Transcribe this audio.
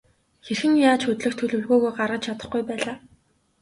Хэрхэн яаж хөдлөх төлөвлөгөөгөө гаргаж чадахгүй байлаа.